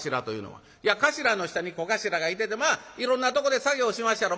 「いや頭の下に小頭がいててまあいろんなとこで作業しまっしゃろ。